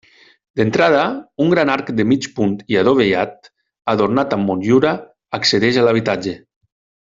D'entrada, un gran arc de mig punt i adovellat, adornat amb motllura, accedeix a l'habitatge.